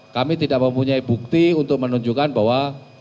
kami tidak mempunyai bukti untuk menunjukkan bahwa